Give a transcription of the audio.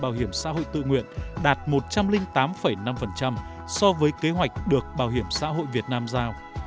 bảo hiểm xã hội tự nguyện đạt một trăm linh tám năm so với kế hoạch được bảo hiểm xã hội việt nam giao